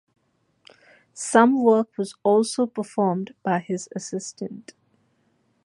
Some work was also performed by his assistant.